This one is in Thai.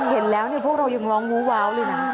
เห็นแล้วพวกเรายังร้องวู้ว้าวเลยนะ